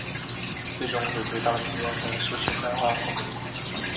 最终回归到自然的抒情派画风。